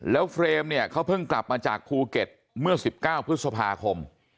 แล้วเฟรมเนี่ยเขาเพิ่งกลับมาจากภูเก็ตเมื่อ๑๙พฤษภาคม